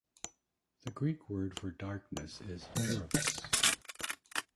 The Greek word for "darkness" is "erebus".